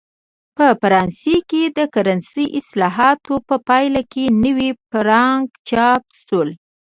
په فرانسه کې د کرنسۍ اصلاحاتو په پایله کې نوي فرانک چاپ شول.